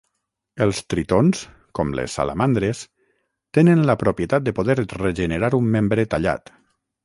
Els tritons, com les salamandres, tenen la propietat de poder regenerar un membre tallat.